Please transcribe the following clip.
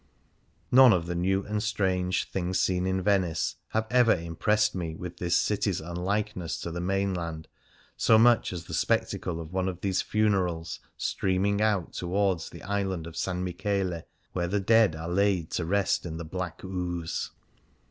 None of the new and stran^je "thing's seen in Venice^'' have ever impressed me with this city''s unlikeness to the mainland so much as the spectacle of one of these funerals streaming out towards the island of S. Michele, where the dead are laid to rest in the black ooze.